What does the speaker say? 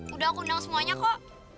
udah aku undang semuanya kok